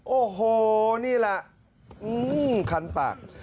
โอ้โหนี่แหละคันปาก